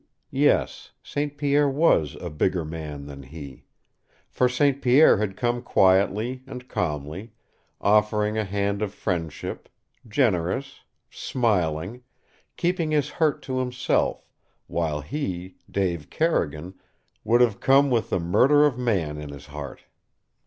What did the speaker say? Yes, St. Pierre was a bigger man than he. For St. Pierre had come quietly and calmly, offering a hand of friendship, generous, smiling, keeping his hurt to himself, while he, Dave Carrigan, would have come with the murder of man in his heart.